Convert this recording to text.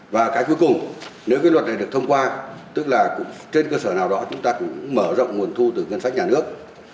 và cái cuối cùng nếu cái luật này được thông qua tức là trên cơ sở nào đó chúng ta cũng mở rộng nguồn thu từ ngân sách nhà nước